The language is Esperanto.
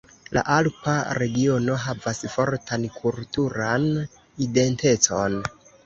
La Alpa regiono havas fortan kulturan identecon.